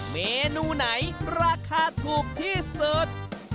เมนูไหนราคาถูกที่สุด